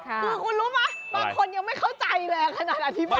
คือคุณรู้ไหมบางคนยังไม่เข้าใจแรงขนาดอธิบาย